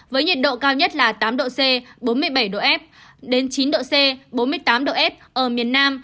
với nhiệt độ cao nhất là tám độ c bốn mươi bảy độ f đến chín độ c bốn mươi tám độ f ở miền nam